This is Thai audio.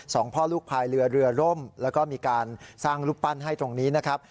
สองพ่อลูกพายเรือเรือร่มแล้วก็มีการสร้างรูปปั้นให้ตรงนี้นะครับ